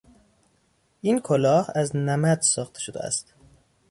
این کلاه از نمد ساخته شده است.